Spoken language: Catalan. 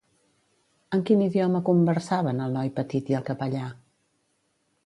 En quin idioma conversaven el noi petit i el capellà?